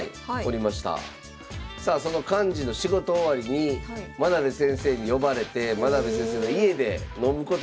さあその幹事の仕事終わりに真部先生に呼ばれて真部先生の家で飲むことになりました。